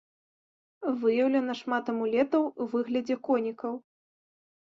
Выяўлена шмат амулетаў у выглядзе конікаў.